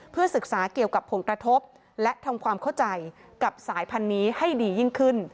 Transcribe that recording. เพื่อศึกษาเกี่ยวกับผลกระทบและทำความเข้าใจกับสายพันธุ์นี้ให้ดียิ่งขึ้น